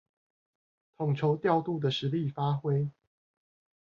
統籌調度的實力發揮